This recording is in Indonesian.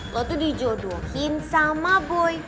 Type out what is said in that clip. lalu tuh dijodohin sama boy